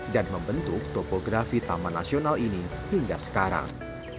dan membentuk topografi taman nasional ini hingga sekarang